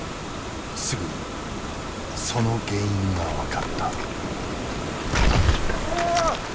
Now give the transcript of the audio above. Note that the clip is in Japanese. すぐにその原因が分かった。